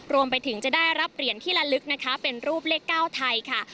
รวมไปถึงจะได้รับเหรียญที่ละลึกนะคะเป็นรูปเลข๙ไทยค่ะ